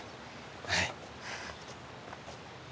はい。